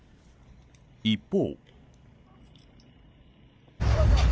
一方。